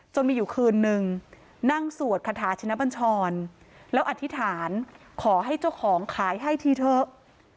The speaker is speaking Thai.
มีอยู่คืนนึงนั่งสวดคาถาชินบัญชรแล้วอธิษฐานขอให้เจ้าของขายให้ทีเถอะ